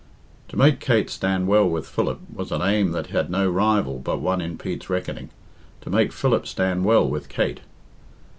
To make Kate stand well with Philip was an aim that had no rival but one in Pete's reckoning to make Philip stand well with Kate.